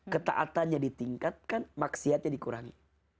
ketaatannya ditingkatkan maksiatnya dikurangi